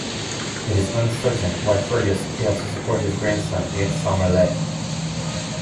It is uncertain why Fergus failed to support his grandson against Somairle.